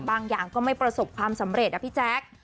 อย่างก็ไม่ประสบความสำเร็จนะพี่แจ๊ค